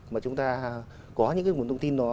mà chúng ta có những nguồn thông tin đó